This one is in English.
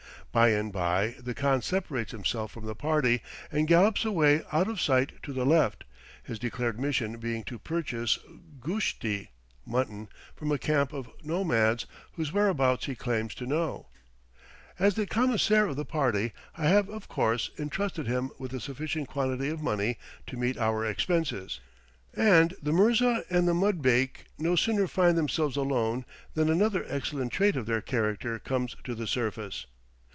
By and by the khan separates himself from the party and gallops away out of sight to the left, his declared mission being to purchase "goosht i" (mutton) from a camp of nomads, whose whereabouts he claims to know. As the commissaire of the party, I have, of course, intrusted him with a sufficient quantity of money to meet our expenses; and the mirza and the mudbake no sooner find themselves alone than another excellent trait of their character conies to the surface.